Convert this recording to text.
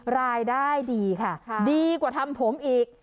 รายได้ดีค่ะดีกว่าทำผมอีก